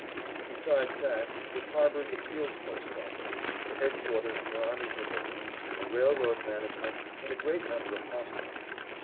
Besides that it harbored the field post office, the headquarters for army provisions, a railroad management, and a great number of hospitals.